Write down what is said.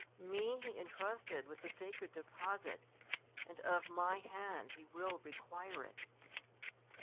Me he intrusted with the sacred deposit, and of my hand he will require it.